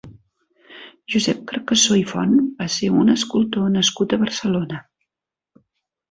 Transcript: Josep Carcassó i Font va ser un escultor nascut a Barcelona.